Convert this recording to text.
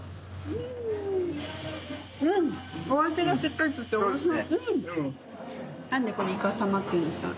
うんお味がしっかり付いておいしい。